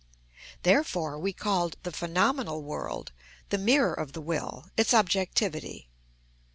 Therefore we called the phenomenal world the mirror of the will, its objectivity.